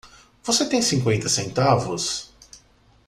Você tem cinquenta centavos?